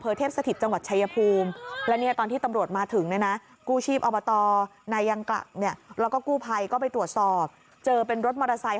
เทพสถิตจังหวัดชายภูมิและเนี่ยตอนที่ตำรวจมาถึงเนี่ยนะกู้ชีพอบตนายังกลักเนี่ยแล้วก็กู้ภัยก็ไปตรวจสอบเจอเป็นรถมอเตอร์ไซค